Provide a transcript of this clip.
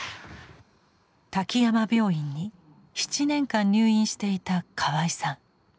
滝山病院に７年間入院していた河合さん。